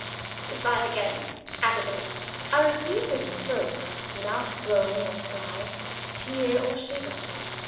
Good bye again! "ADELAIDE." I received this stroke without groan or cry, tear or shiver.